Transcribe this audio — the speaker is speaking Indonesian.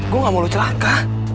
gua gak mau lu celaka